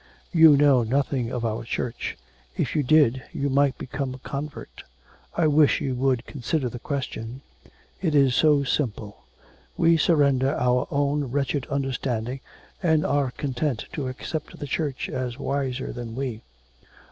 You know nothing of our Church; if you did, you might become a convert. I wish you would consider the question. It is so simple; we surrender our own wretched understanding, and are content to accept the Church as wiser than we.